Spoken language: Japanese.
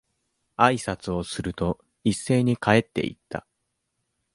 挨拶をすると、一斉に帰って行った。